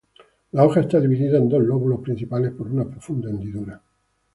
La hoja estaba dividida en dos lóbulos principales por una profunda hendidura.